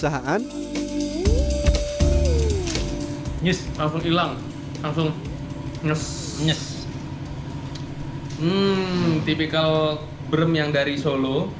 hmm tipikal brem yang dari solo